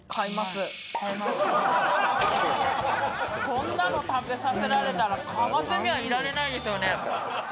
こんなの食べさせられたら買わずにはいられないですよね。